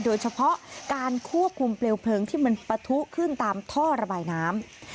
โดยเฉพาะการควบคุมเปลวเพลิงที่มันปะทุขึ้นตามท่อระบายน้ำ